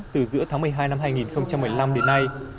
từ giữa tháng một mươi hai năm hai nghìn một mươi năm đến nay